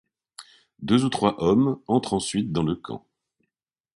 Deux ou trois hommes entrent ensuite dans le camp.